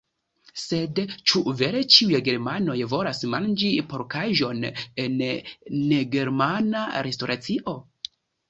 Sed ĉu vere ĉiuj germanoj volas manĝi porkaĵon en negermana restoracio?